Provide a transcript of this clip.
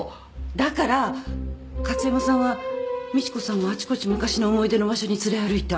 だから加津山さんは美知子さんをあちこち昔の思い出の場所に連れ歩いた。